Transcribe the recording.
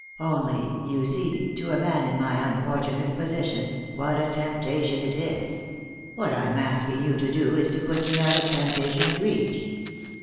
Only, you see, to a man in my unfortunate position, what a temptation it is ; what I'm asking you to do is to put me out of temptation's reach."